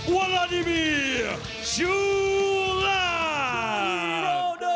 วาลาดิเนชูแดก